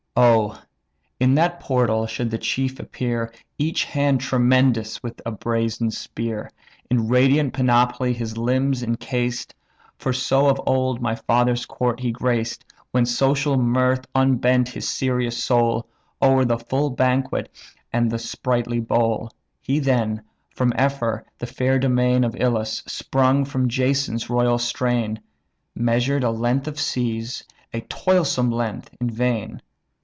Oh! in that portal should the chief appear, Each hand tremendous with a brazen spear, In radiant panoply his limbs incased (For so of old my father's court he graced, When social mirth unbent his serious soul, O'er the full banquet, and the sprightly bowl); He then from Ephyre, the fair domain Of Ilus, sprung from Jason's royal strain, Measured a length of seas, a toilsome length, in vain.